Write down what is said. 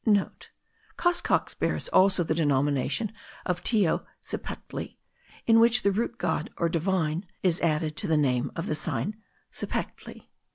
*(* Coxcox bears also the denomination of Teo Cipactli, in which the root god or divine is added to the name of the sign Cipactli.